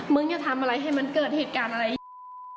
จะทำอะไรให้มันเกิดเหตุการณ์อะไรอย่างนี้